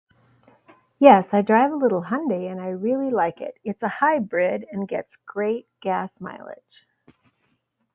Yes, I drive a little Hyundai and I really like it. It's a hybrid and gets great gas mileage.